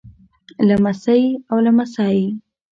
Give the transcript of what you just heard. لمسۍ او لمسى